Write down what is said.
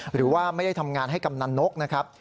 หรือว่าไม่ได้ทำงานให้กำนันนกนะครับ